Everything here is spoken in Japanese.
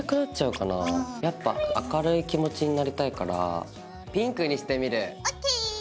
やっぱ明るい気持ちになりたいからピンクにしてみる！ＯＫ！